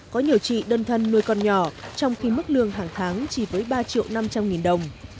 có nhiều chị đơn thân nuôi con nhỏ trong khi mức lương hàng tháng chỉ với ba triệu năm trăm linh nghìn đồng